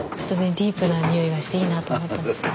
ディープなにおいがしていいなと思ったんですよね。